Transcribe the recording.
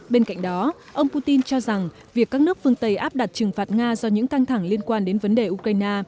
bên cạnh đó ông putin cho rằng việc các nước phương tây áp đặt trừng phạt nga do những căng thẳng liên quan đến vấn đề ukraine